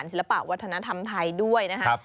ศิลปะวัฒนธรรมไทยด้วยนะครับ